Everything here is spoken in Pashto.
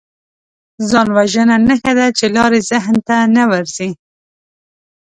ځانوژنه نښه ده چې لارې ذهن ته نه ورځي